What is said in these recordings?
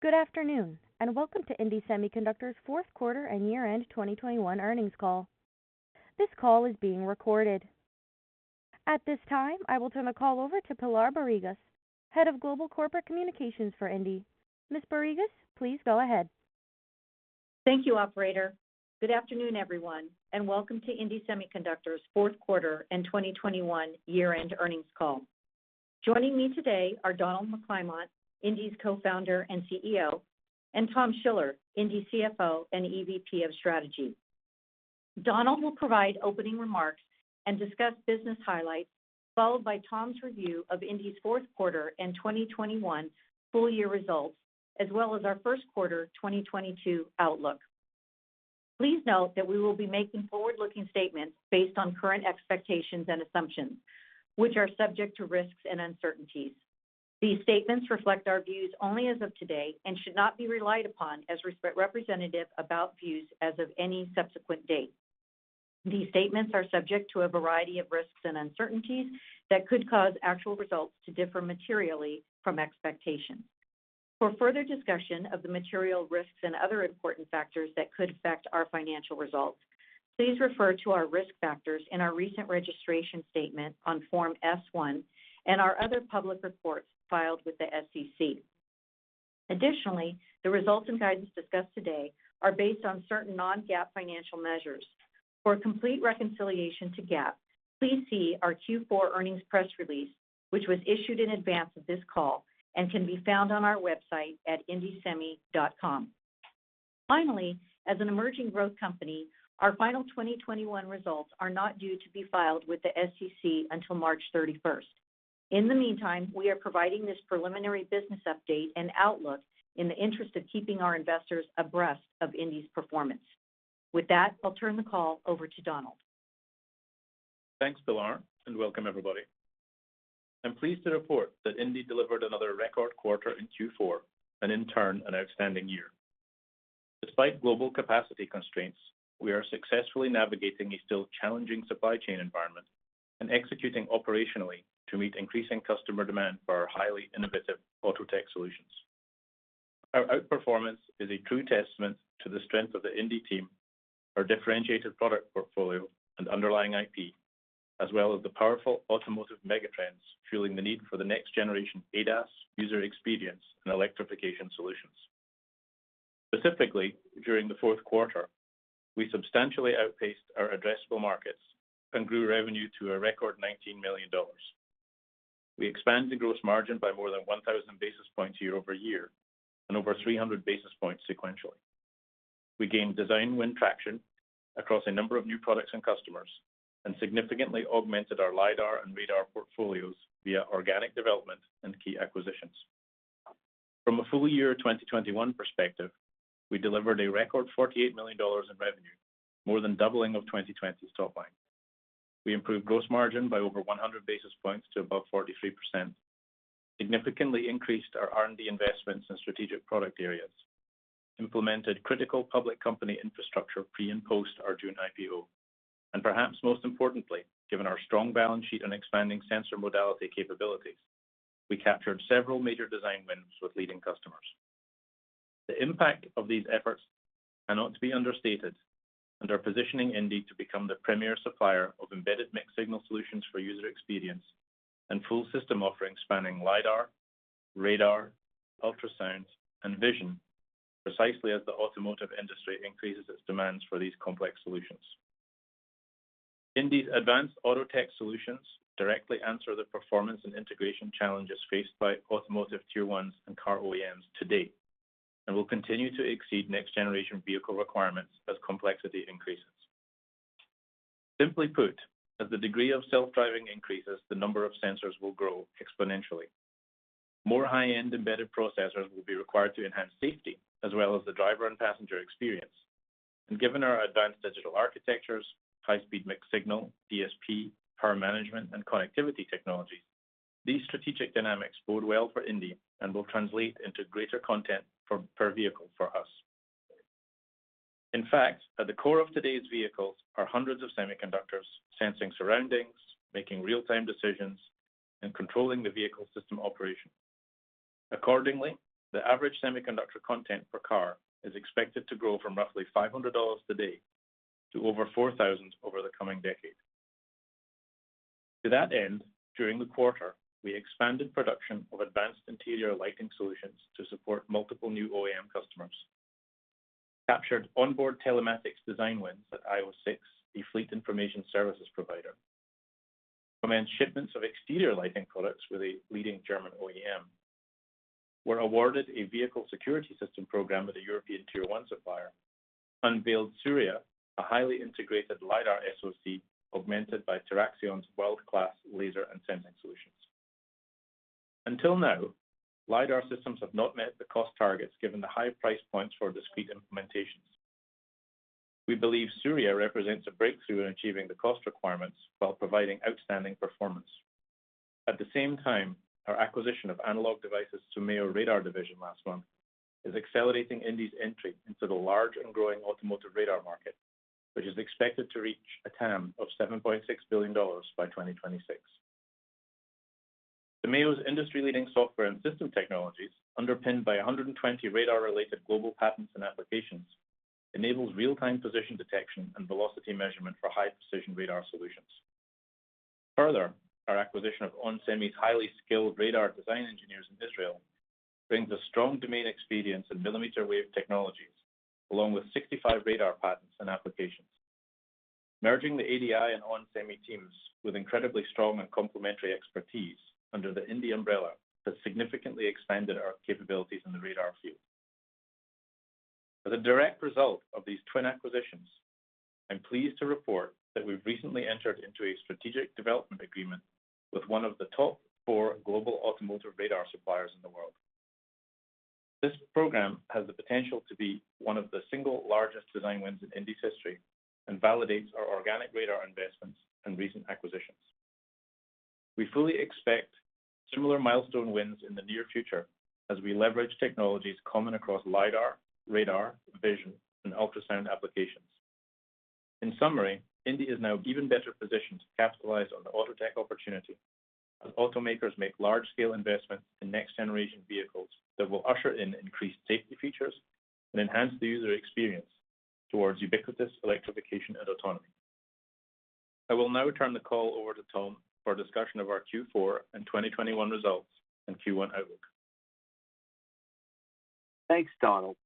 Good afternoon, and welcome to indie Semiconductor's Fourth Quarter and Year-End 2021 Earnings Call. This call is being recorded. At this time, I will turn the call over to Pilar Barrigas, Head of Global Corporate Communications for indie. Ms. Barrigas, please go ahead. Thank you, operator. Good afternoon, everyone, and welcome to indie Semiconductor's Fourth Quarter and 2021 Year-End Earnings Call. Joining me today are Donald McClymont, indie's Co-Founder and CEO, and Tom Schiller, indie's CFO and EVP of Strategy. Donald will provide opening remarks and discuss business highlights, followed by Tom's review of indie's fourth quarter and 2021 full year results, as well as our first quarter 2022 outlook. Please note that we will be making forward-looking statements based on current expectations and assumptions, which are subject to risks and uncertainties. These statements reflect our views only as of today and should not be relied upon as representative about views as of any subsequent date. These statements are subject to a variety of risks and uncertainties that could cause actual results to differ materially from expectations. For further discussion of the material risks and other important factors that could affect our financial results, please refer to our risk factors in our recent registration statement on Form S-1 and our other public reports filed with the SEC. Additionally, the results and guidance discussed today are based on certain non-GAAP financial measures. For a complete reconciliation to GAAP, please see our Q4 earnings press release, which was issued in advance of this call and can be found on our website at indiesemi.com. Finally, as an emerging growth company, our final 2021 results are not due to be filed with the SEC until March 31st. In the meantime, we are providing this preliminary business update and outlook in the interest of keeping our investors abreast of Indie's performance. With that, I'll turn the call over to Donald. Thanks, Pilar, and welcome everybody. I'm pleased to report that Indie delivered another record quarter in Q4 and in turn, an outstanding year. Despite global capacity constraints, we are successfully navigating a still challenging supply chain environment and executing operationally to meet increasing customer demand for our highly innovative Autotech solutions. Our out-performance is a true testament to the strength of the Indie team, our differentiated product portfolio and underlying IP, as well as the powerful automotive megatrends fueling the need for the next-generation ADAS user experience and electrification solutions. Specifically, during the fourth quarter, we substantially outpaced our addressable markets and grew revenue to a record $19 million. We expanded gross margin by more than 1,000 basis points year-over-year and over 300 basis points sequentially. We gained design win traction across a number of new products and customers and significantly augmented our LiDAR and radar portfolios via organic development and key acquisitions. From a full year 2021 perspective, we delivered a record $48 million in revenue, more than doubling of 2020's top line. We improved gross margin by over 100 basis points to above 43%, significantly increased our R&D investments in strategic product areas, implemented critical public company infrastructure pre and post our June IPO, and perhaps most importantly, given our strong balance sheet and expanding sensor modality capabilities, we captured several major design wins with leading customers. The impact of these efforts cannot be understated and are positioning indie to become the premier supplier of embedded mixed signal solutions for user experience and full system offerings spanning LiDAR, radar, ultrasound, and vision, precisely as the automotive industry increases its demands for these complex solutions. indie's advanced Autotech solutions directly answer the performance and integration challenges faced by automotive Tier 1s and car OEMs to date, and will continue to exceed next-generation vehicle requirements as complexity increases. Simply put, as the degree of self-driving increases, the number of sensors will grow exponentially. More high-end embedded processors will be required to enhance safety as well as the driver and passenger experience. Given our advanced digital architectures, high-speed mixed signal, DSP, power management, and connectivity technologies, these strategic dynamics bode well for indie and will translate into greater content per vehicle for us. In fact, at the core of today's vehicles are hundreds of semiconductors sensing surroundings, making real-time decisions, and controlling the vehicle system operation. Accordingly, the average semiconductor content per car is expected to grow from roughly $500 today to over $4,000 over the coming decade. To that end, during the quarter, we expanded production of advanced interior lighting solutions to support multiple new OEM customers, captured onboard telematics design wins at IOSix, a fleet information services provider, commenced shipments of exterior lighting products with a leading German OEM, were awarded a vehicle security system program with a European Tier 1 supplier, unveiled Surya, a highly integrated LiDAR SoC augmented by TeraXion's world-class laser and sensing solutions. Until now, LiDAR systems have not met the cost targets given the high price points for discrete implementations. We believe Surya represents a breakthrough in achieving the cost requirements while providing outstanding performance. At the same time, our acquisition of Analog Devices' Symeo radar division last month is accelerating indie's entry into the large and growing automotive radar market, which is expected to reach a TAM of $7.6 billion by 2026. Symeo's industry-leading software and system technologies, underpinned by 120 radar-related global patents and applications, enables real-time position detection and velocity measurement for high-precision radar solutions. Further, our acquisition of onsemi's highly skilled radar design engineers in Israel brings a strong domain experience in millimeter wave technologies, along with 65 radar patents and applications. Merging the ADI and onsemi teams with incredibly strong and complementary expertise under the indie umbrella has significantly expanded our capabilities in the radar field. As a direct result of these twin acquisitions, I'm pleased to report that we've recently entered into a strategic development agreement with one of the top four global automotive radar suppliers in the world. This program has the potential to be one of the single largest design wins in indie's history and validates our organic radar investments and recent acquisitions. We fully expect similar milestone wins in the near future as we leverage technologies common across LiDAR, radar, vision, and ultrasound applications. In summary, indie is now even better positioned to capitalize on the Autotech opportunity as automakers make large-scale investments in next-generation vehicles that will usher in increased safety features and enhance the user experience towards ubiquitous electrification and autonomy. I will now turn the call over to Tom for a discussion of our Q4 and 2021 results and Q1 outlook. Thanks, Donald.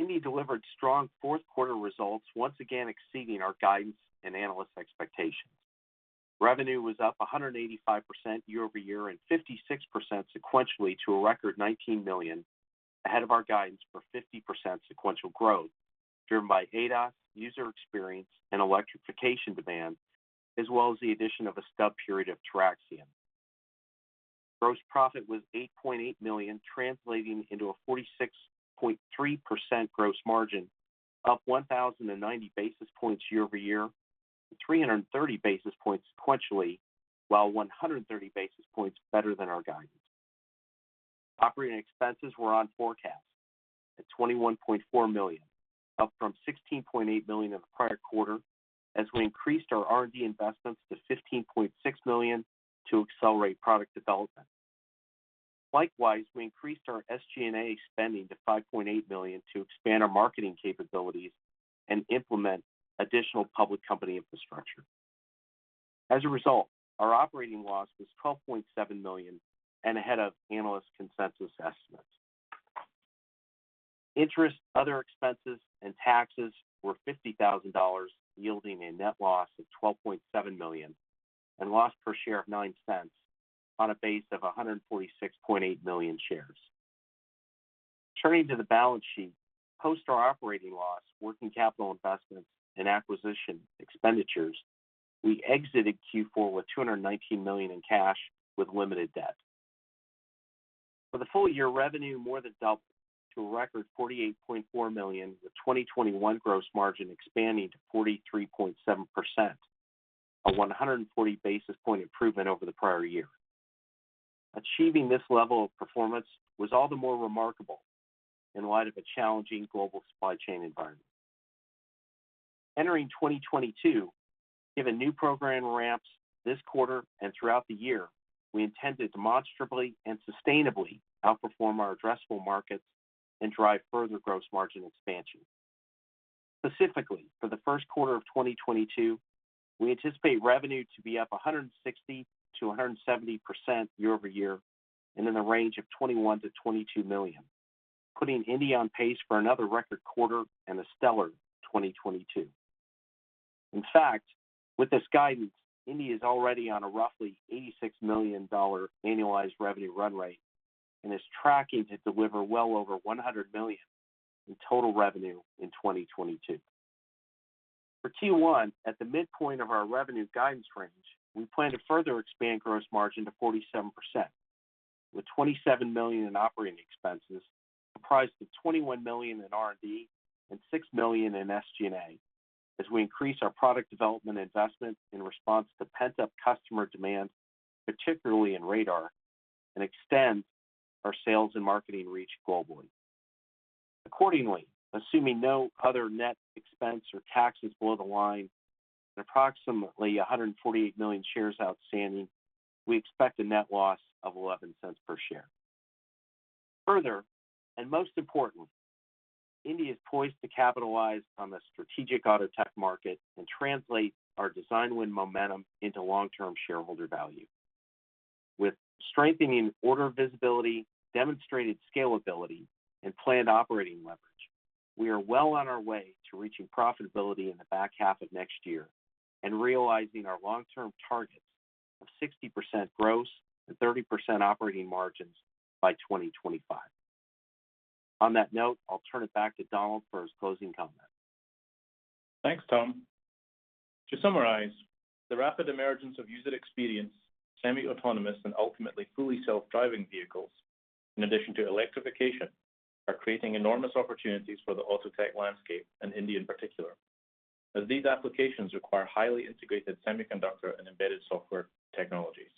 Indie delivered strong fourth quarter results, once again exceeding our guidance and analyst expectations. Revenue was up 185% year-over-year and 56% sequentially to a record $19 million, ahead of our guidance for 50% sequential growth, driven by ADAS, user experience, and electrification demand, as well as the addition of a stub period of TeraXion. Gross profit was $8.8 million, translating into a 46.3% gross margin, up 1,090 basis points year-over-year, and 330 basis points sequentially, while 130 basis points better than our guidance. Operating expenses were on forecast at $21.4 million, up from $16.8 million in the prior quarter as we increased our R&D investments to $15.6 million to accelerate product development. Likewise, we increased our SG&A spending to $5.8 million to expand our marketing capabilities and implement additional public company infrastructure. As a result, our operating loss was $12.7 million and ahead of analyst consensus estimates. Interest, other expenses, and taxes were $50,000, yielding a net loss of $12.7 million and loss per share of $0.09 on a base of 146.8 million shares. Turning to the balance sheet, post our operating loss, working capital investments, and acquisition expenditures, we exited Q4 with $219 million in cash with limited debt. For the full year, revenue more than doubled to a record $48.4 million, with 2021 gross margin expanding to 43.7%, a 140 basis point improvement over the prior year. Achieving this level of performance was all the more remarkable in light of a challenging global supply chain environment. Entering 2022, given new program ramps this quarter and throughout the year, we intend to demonstrably and sustainably outperform our addressable markets and drive further gross margin expansion. Specifically, for the first quarter of 2022, we anticipate revenue to be up 160%-170% year-over-year and in the range of $21 million-$22 million, putting indie on pace for another record quarter and a stellar 2022. In fact, with this guidance, indie is already on a roughly $86 million annualized revenue run rate and is tracking to deliver well over $100 million in total revenue in 2022. For Q1, at the midpoint of our revenue guidance range, we plan to further expand gross margin to 47%, with $27 million in operating expenses, comprised of $21 million in R&D and $6 million in SG&A, as we increase our product development investment in response to pent-up customer demand, particularly in radar, and extend our sales and marketing reach globally. Accordingly, assuming no other net expense or taxes below the line and approximately 148 million shares outstanding, we expect a net loss of $0.11 per share. Further, and most importantly, indie is poised to capitalize on the strategic Autotech market and translate our design win momentum into long-term shareholder value. With strengthening order visibility, demonstrated scalability, and planned operating leverage, we are well on our way to reaching profitability in the back half of next year and realizing our long-term targets of 60% gross and 30% operating margins by 2025. On that note, I'll turn it back to Donald for his closing comments. Thanks, Tom. To summarize, the rapid emergence of user experience, semi-autonomous, and ultimately fully self-driving vehicles, in addition to electrification, are creating enormous opportunities for the Autotech landscape and indie in particular, as these applications require highly integrated semiconductor and embedded software technologies.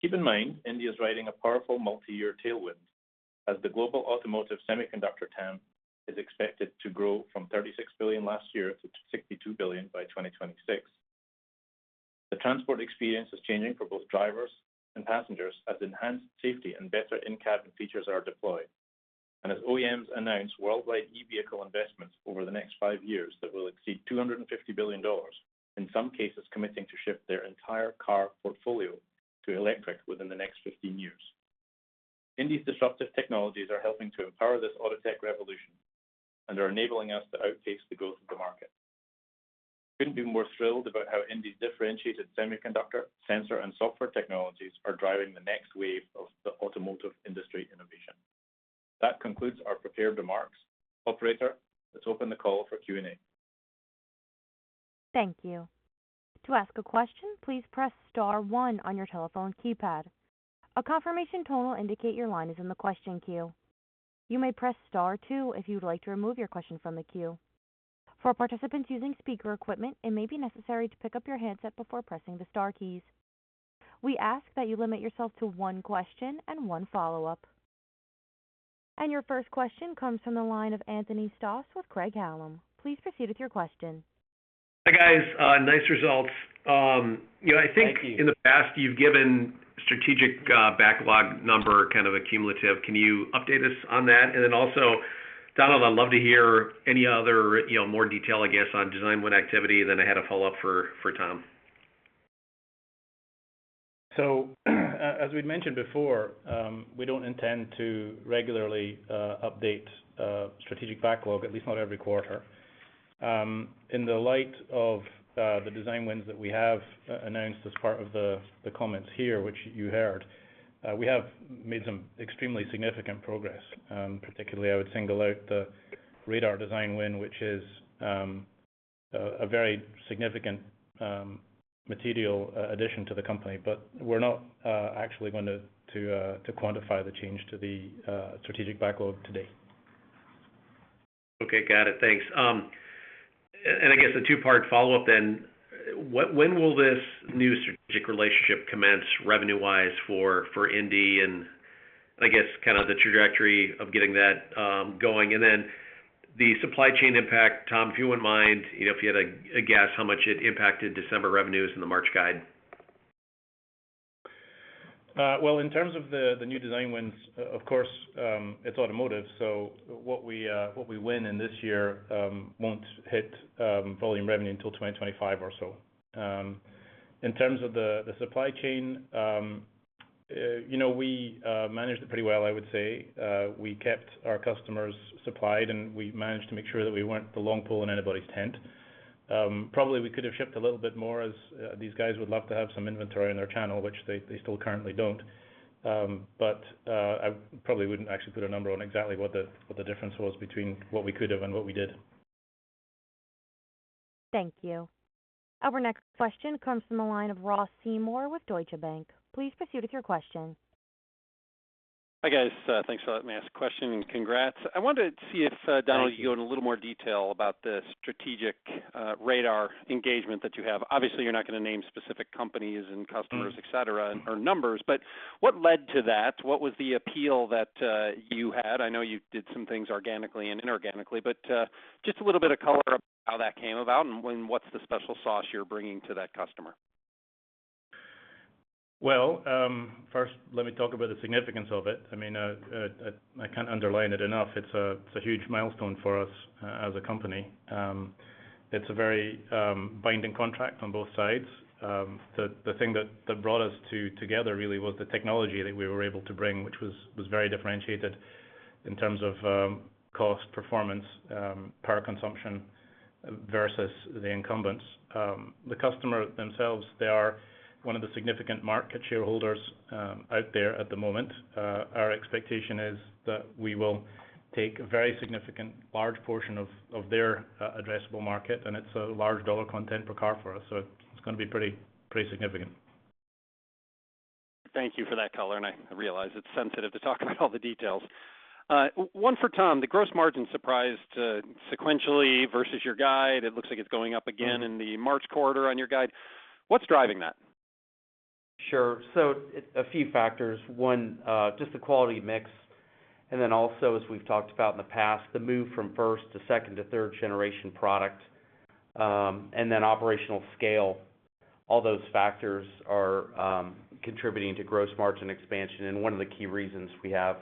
Keep in mind, indie is riding a powerful multi-year tailwind as the global automotive semiconductor TAM is expected to grow from $36 billion last year to $62 billion by 2026. The transport experience is changing for both drivers and passengers as enhanced safety and better in-cabin features are deployed. OEMs announce worldwide e-vehicle investments over the next five years, that will exceed $250 billion, in some cases committing to ship their entire car portfolio to electric within the next 15 years. indie's disruptive technologies are helping to empower this Autotech revolution and are enabling us to outpace the growth of the market. Couldn't be more thrilled about how indie's differentiated semiconductor, sensor and software technologies are driving the next wave of the automotive industry innovation. That concludes our prepared remarks. Operator, let's open the call for Q&A. Thank you. To ask a question, please press star one on your telephone keypad. A confirmation tone will indicate your line is in the question queue. You may press star two if you'd like to remove your question from the queue. For participants using speaker equipment, it may be necessary to pick up your handset before pressing the star keys. We ask that you limit yourself to one question and one follow-up. Your first question comes from the line of Anthony Stoss with Craig-Hallum. Please proceed with your question. Hi, guys, nice results. You know, I think. Thank you.... in the past you've given strategic backlog number kind of a cumulative. Can you update us on that? Then also, Donald, I'd love to hear any other more detail, I guess, on design win activity. I had a follow-up for Tom. As we'd mentioned before, we don't intend to regularly update strategic backlog, at least not every quarter. In the light of the design wins that we have announced as part of the comments here which you heard, we have made some extremely significant progress. Particularly I would single out the radar design win, which is a very significant material addition to the company. But we're not actually going to quantify the change to the strategic backlog today. Okay. Got it. Thanks. I guess a two-part follow-up then. When will this new strategic relationship commence revenue-wise for indie? I guess kind of the trajectory of getting that going and then the supply chain impact. Tom, if you wouldn't mind, you know, if you had a guess how much it impacted December revenues in the March guide. Well, in terms of the new design wins, of course, it's automotive, so what we win in this year won't hit volume revenue until 2025 or so. In terms of the supply chain, you know, we managed it pretty well, I would say. We kept our customers supplied, and we managed to make sure that we weren't the long pole in anybody's tent. Probably we could have shipped a little bit more as these guys would love to have some inventory in their channel, which they still currently don't. I probably wouldn't actually put a number on exactly what the difference was between what we could have and what we did. Thank you. Our next question comes from the line of Ross Seymore with Deutsche Bank. Please proceed with your question. Hi, guys. Thanks for letting me ask a question, and congrats. I wanted to see if, Thank you.... Donald, you could go in a little more detail about the strategic radar engagement that you have. Obviously, you're not gonna name specific companies and customers- Mm-hmm et cetera, or numbers, but what led to that? What was the appeal that, you had? I know you did some things organically and inorganically, but, just a little bit of color about how that came about and when, what's the special sauce you're bringing to that customer? Well, first let me talk about the significance of it. I mean, I can't underline it enough. It's a huge milestone for us as a company. It's a very binding contract on both sides. The thing that brought us together really was the technology that we were able to bring, which was very differentiated in terms of cost, performance, power consumption versus the incumbents. The customer themselves, they are one of the significant market shareholders out there at the moment. Our expectation is that we will take a very significant large portion of their addressable market, and it's a large dollar content per car for us, so it's gonna be pretty significant. Thank you for that color, and I realize it's sensitive to talk about all the details. One for Tom, the gross margin surprised sequentially versus your guide. It looks like it's going up again in the March quarter on your guide. What's driving that? Sure. A few factors. One, just the quality mix and then also, as we've talked about in the past, the move from first to second to third generation product, and then operational scale. All those factors are contributing to gross margin expansion and one of the key reasons we have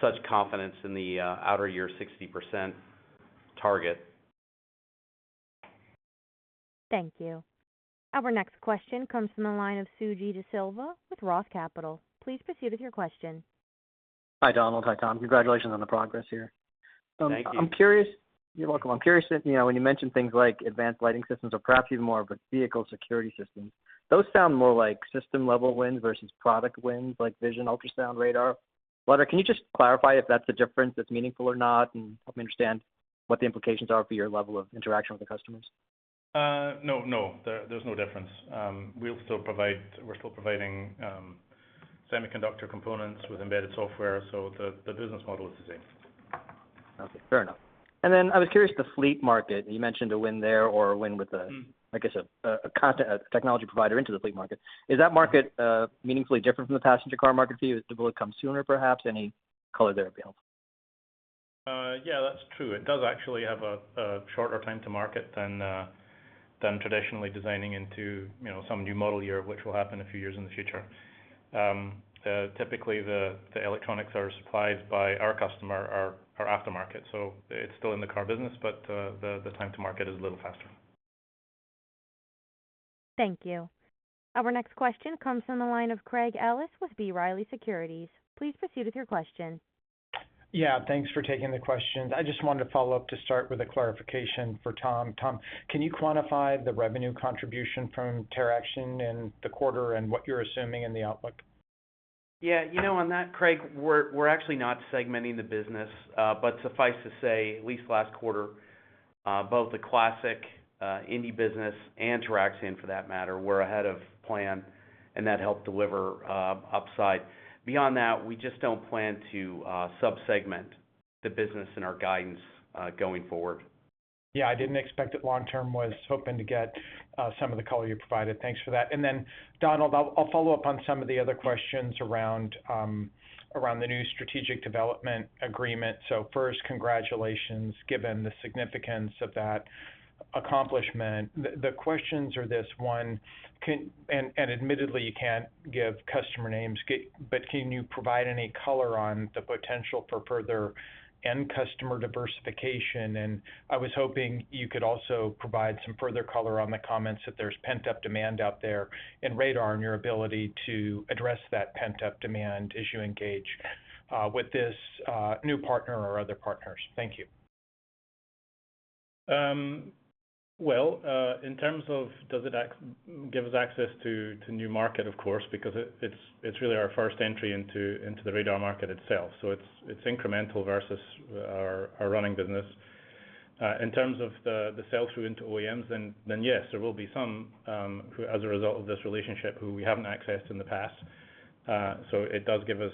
such confidence in the outer year 60% target. Thank you. Our next question comes from the line of Suji Desilva with Roth Capital Partners. Please proceed with your question. Hi, Donald. Hi, Tom. Congratulations on the progress here. Thank you. You're welcome. I'm curious that, you know, when you mention things like advanced lighting systems or perhaps even more of a vehicle security systems, those sound more like system-level wins versus product wins, like vision, ultrasound, radar. Can you just clarify if that's the difference that's meaningful or not, and help me understand what the implications are for your level of interaction with the customers? No, no. There's no difference. We're still providing semiconductor components with embedded software, so the business model is the same. Okay, fair enough. I was curious, the fleet market, you mentioned a win there or a win with a- Mm-hmm. I guess a content, a technology provider into the fleet market. Is that market meaningfully different from the passenger car market to you? Will it come sooner, perhaps? Any color there would be helpful. Yeah, that's true. It does actually have a shorter time to market than traditionally designing into, you know, some new model year, which will happen a few years in the future. Typically, the electronics supplied by our customer are aftermarket, so it's still in the car business, but the time to market is a little faster. Thank you. Our next question comes from the line of Craig Ellis with B. Riley Securities. Please proceed with your question. Yeah, thanks for taking the questions. I just wanted to follow up to start with a clarification for Tom. Tom, can you quantify the revenue contribution from TeraXion in the quarter and what you're assuming in the outlook? Yeah, on that, Craig, we're actually not segmenting the business. Suffice to say, at least last quarter, both the classic indie business and TeraXion for that matter, were ahead of plan, and that helped deliver upside. Beyond that, we just don't plan to sub-segment the business in our guidance going forward. Yeah, I didn't expect it long-term. I was hoping to get some of the color you provided. Thanks for that. Donald, I'll follow up on some of the other questions around the new strategic development agreement. First, congratulations, given the significance of that accomplishment. The questions are this. One, and admittedly, you can't give customer names. But can you provide any color on the potential for further end customer diversification? I was hoping you could also provide some further color on the comments that there's pent-up demand out there in radar on your ability to address that pent-up demand as you engage with this new partner or other partners. Thank you. Well, in terms of does it give us access to new market, of course, because it's really our first entry into the radar market itself. It's incremental versus our running business. In terms of the sell-through into OEMs, yes, there will be some who, as a result of this relationship, who we haven't accessed in the past. So it does give us,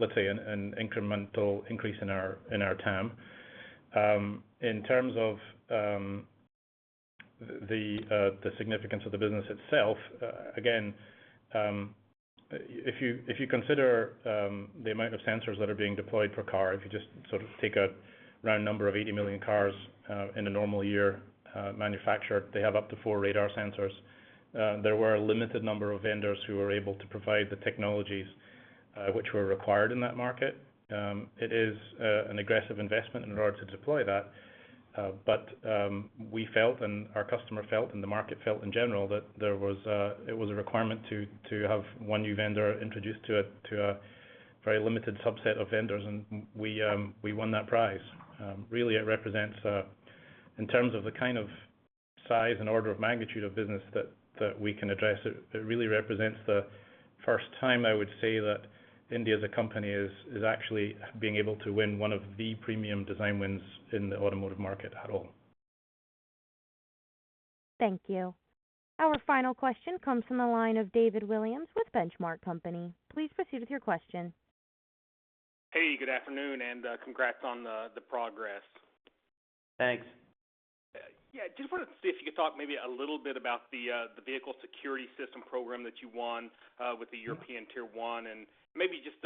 let's say an incremental increase in our TAM. In terms of the significance of the business itself, again, if you consider the amount of sensors that are being deployed per car. If you just sort of take a round number of 80 million cars in a normal year, manufactured, they have up to four radar sensors. There were a limited number of vendors who were able to provide the technologies, which were required in that market. It is an aggressive investment in order to deploy that. We felt and our customer felt, and the market felt in general that it was a requirement to have one new vendor introduced to a very limited subset of vendors, and we won that prize. Really, it represents in terms of the kind of size and order of magnitude of business that we can address, it really represents the first time, I would say, that indie as a company is actually being able to win one of the premium design wins in the automotive market at all. Thank you. Our final question comes from the line of David Williams with Benchmark Company. Please proceed with your question. Hey, good afternoon, and congrats on the progress. Thanks. Yeah, just wanted to see if you could talk maybe a little bit about the vehicle security system program that you won with the European Tier 1 and maybe just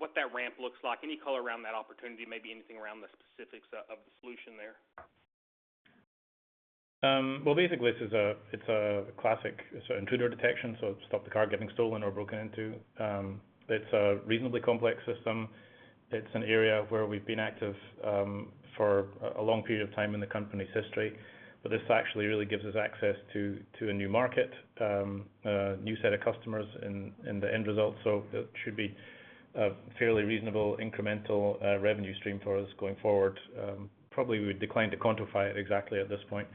what that ramp looks like. Any color around that opportunity, maybe anything around the specifics of the solution there. Well, basically, this is a classic intruder detection, so it'll stop the car getting stolen or broken into. It's a reasonably complex system. It's an area where we've been active for a long period of time in the company's history. This actually really gives us access to a new market, a new set of customers in the end result. It should be a fairly reasonable incremental revenue stream for us going forward. Probably we would decline to quantify it exactly at this point.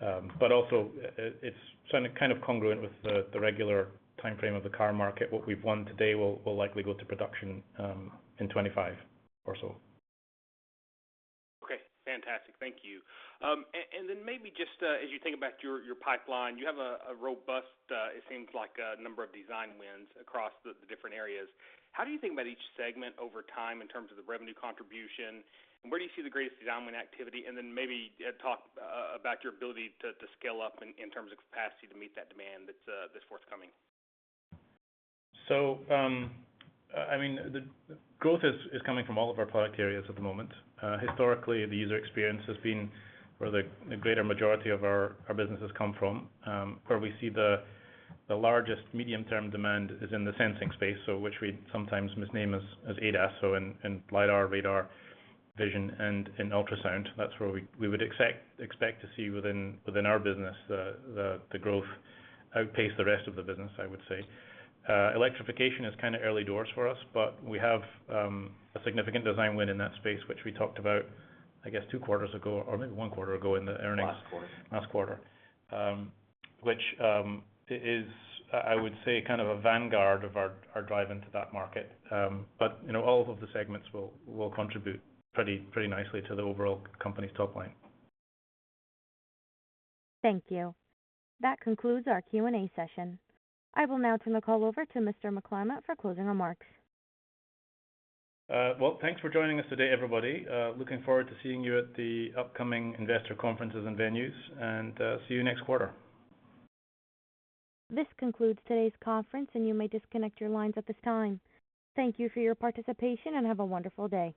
Also it's kind of congruent with the regular time-frame of the car market. What we've won today will likely go to production in 2025 or so. Okay, fantastic. Thank you. And then maybe just as you think about your pipeline, you have a robust, it seems like, number of design wins across the different areas. How do you think about each segment over time in terms of the revenue contribution, and where do you see the greatest design win activity? Maybe talk about your ability to scale up in terms of capacity to meet that demand that's forthcoming. I mean, the growth is coming from all of our product areas at the moment. Historically, the user experience has been where the greater majority of our business has come from. Where we see the largest medium-term demand is in the sensing space, which we sometimes misname as ADAS, so in LiDAR, radar, vision, and in ultrasound. That's where we would expect to see within our business, the growth outpace the rest of the business, I would say. Electrification is kinda early doors for us, but we have a significant design win in that space, which we talked about, I guess two quarters ago or maybe one quarter ago in the earnings- Last quarter. Last quarter, which is, I would say, kind of a vanguard of our drive into that market. You know, all of the segments will contribute pretty nicely to the overall company's top line. Thank you. That concludes our Q&A session. I will now turn the call over to Mr. McClymont for closing remarks. Well, thanks for joining us today, everybody. Looking forward to seeing you at the upcoming investor conferences and venues. See you next quarter. This concludes today's conference, and you may disconnect your lines at this time. Thank you for your participation, and have a wonderful day.